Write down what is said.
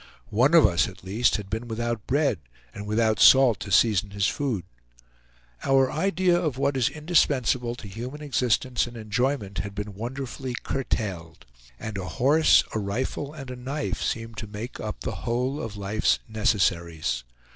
One of us at least had been without bread, and without salt to season his food. Our idea of what is indispensable to human existence and enjoyment had been wonderfully curtailed, and a horse, a rifle, and a knife seemed to make up the whole of life's necessaries.